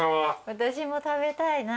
私も食べたいな。